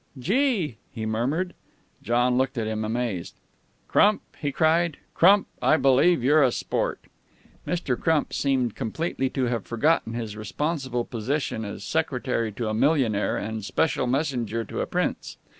"Gee!" he murmured. John looked at him, amazed. "Crump," he cried. "Crump, I believe you're a sport!" Mr. Crump seemed completely to have forgotten his responsible position as secretary to a millionaire and special messenger to a prince.